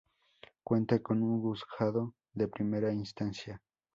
Cuenta con un juzgado de primera instancia.